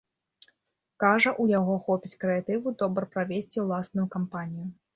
Кажа, у яго хопіць крэатыву добра правесці ўласную кампанію.